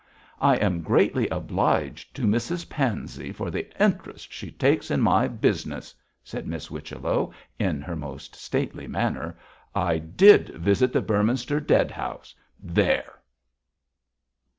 'I am greatly obliged to Mrs Pansey for the interest she takes in my business,' said Miss Whichello, in her most stately manner. 'I did visit the Beorminster dead house. There!'